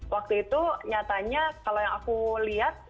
waktu itu nyatanya kalau yang aku lihat